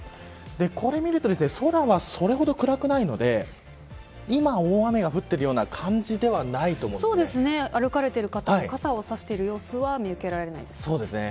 これを見ると空はそれほど暗くないので今、大雨が降っているような歩かれている方も傘を差している様子は見受けられませんね。